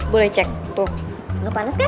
boleh cek tuh nggak panas kan